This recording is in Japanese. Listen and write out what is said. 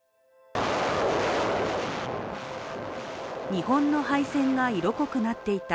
日本の敗戦が色濃くなっていた